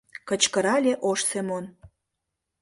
Кычкырале ош Семон